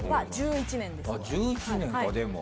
１１年かでも。